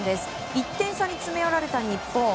１点差に詰め寄られた日本。